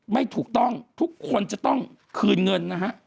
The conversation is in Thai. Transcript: ไม่ถูกต้องทุกคนจะต้องคืนเงินนะฮะ